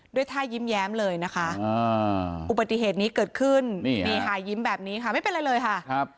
ด้วยท่ายิ้มแย้มเลยนะคะอุปสริเทศนี้เกิดขึ้นมีหายิ้มแบบนี้ค่ะไม่เป็นไรเลยค่ะ